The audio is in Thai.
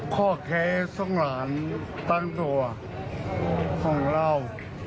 ข้อเคส่วงหลานตั้งตัวของเรา